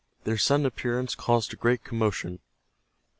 Their sudden appearance caused a great commotion.